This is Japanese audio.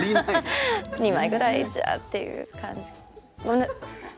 ２枚ぐらいじゃっていう感じ。